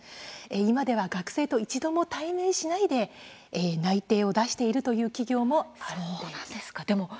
今では学生と一度も対面しないで内定を出しているという企業もあるんです。